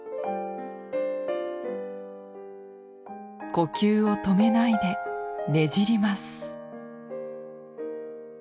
呼吸を止めないでねじります。